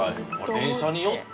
電車によって。